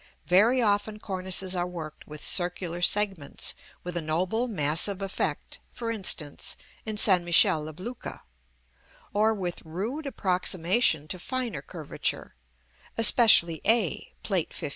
Very often cornices are worked with circular segments (with a noble, massive effect, for instance, in St. Michele of Lucca), or with rude approximation to finer curvature, especially a, Plate XV.